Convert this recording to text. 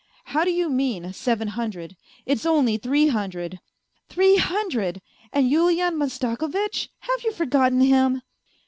How do you mean, seven hundred ? It's only three hundred ..."" Three hundred !... And Yulian Mastakovitch ? Have you forgotten him